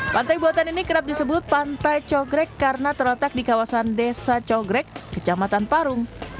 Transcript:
pantai buatan ini kerap disebut pantai cogrek karena terletak di kawasan desa cogrek kecamatan parung